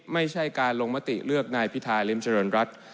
ไม่ใช่การลงมติเลือกนายพิธาริมเจริญรัฐ